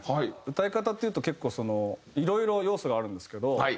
歌い方っていうと結構そのいろいろ要素があるんですけど。